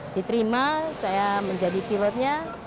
diterima saya menjadi pilotnya